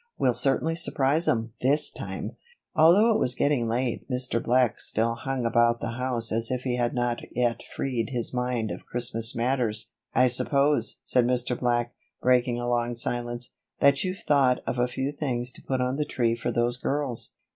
We'll certainly surprise 'em this time." Although it was getting late, Mr. Black still hung about the house as if he had not yet freed his mind of Christmas matters. "I suppose," said Mr. Black, breaking a long silence, "that you've thought of a few things to put on the tree for those girls?"